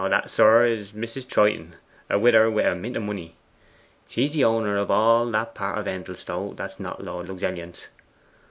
'That, sir, is Mrs. Troyton, a widder wi' a mint o' money. She's the owner of all that part of Endelstow that is not Lord Luxellian's.